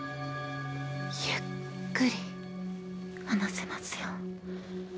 ゆっくり話せますよ。